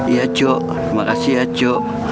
iya cok terima kasih ya cok